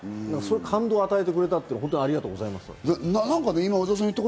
感動を与えてくれたこと、本当にありがとうございます。